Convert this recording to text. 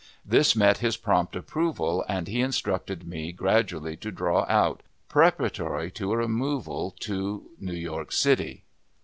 This met his prompt approval, and he instructed me gradually to draw out, preparatory to a removal to New York City.